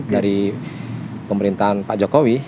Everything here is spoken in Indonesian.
dari pemerintahan pak jokowi